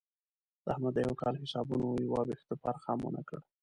د احمد د یوه کال حسابونو یو وېښته فرق هم ونه کړ.